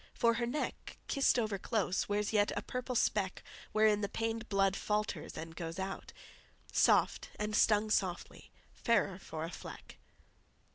for her neck Kissed over close, wears yet a purple speck Wherein the pained blood falters and goes out; Soft and stung softly—fairer for a fleck..."